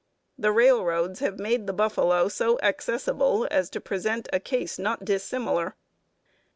The railroads have made the buffalo so accessible as to present a case not dissimilar.